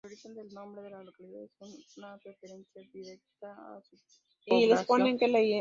El origen del nombre de la localidad es una referencia directa a su repoblación.